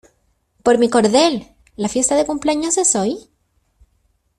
¡ Por mi cordel! ¿ La fiesta de cumpleaños es hoy?